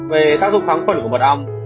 về tác dụng kháng quẩn của mật ong